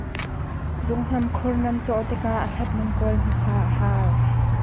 Zunghnam khur nan cawh tikah a hlat nan kawl hmasa a hau.